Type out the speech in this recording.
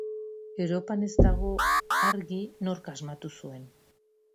Europan ez dago argi nork asmatu zuen.